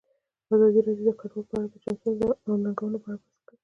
ازادي راډیو د کډوال په اړه د چانسونو او ننګونو په اړه بحث کړی.